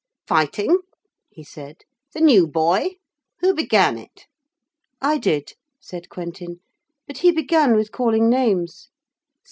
'Fighting?' he said. 'The new boy? Who began it?' 'I did,' said Quentin, 'but he began with calling names.'